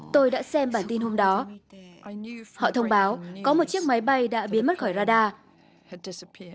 tôi đã xem bản tin hôm đó họ thông báo có một chiếc máy bay đã biến mất khỏi radar